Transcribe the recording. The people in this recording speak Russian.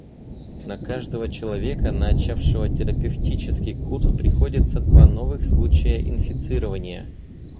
На каждого человека, начавшего терапевтический курс, приходятся два новых случая инфицирования.